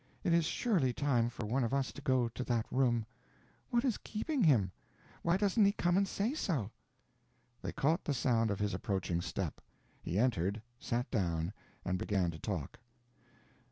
It is surely time for one of us to go to that room. What is keeping him? Why doesn't he come and say so?" They caught the sound of his approaching step. He entered, sat down, and began to talk.